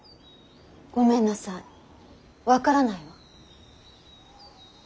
ごめんなさい分からないわ。